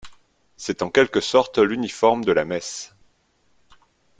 C'est en quelque sorte l'uniforme de la messe.